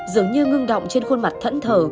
dường như ngưng động trên khuôn mặt thẫn thở